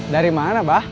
dari mana abah